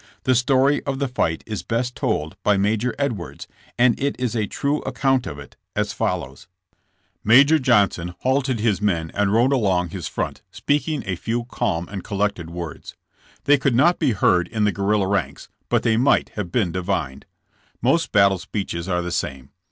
The story of the fight is best told by Major Edwards and it is a true account of it, as follows: "Major Johnson halted his men and rode along his front speaking a few calm and collected words. They could not be heard in the guerrilla ranks, but they might have been divined. Most battle speeches are the same.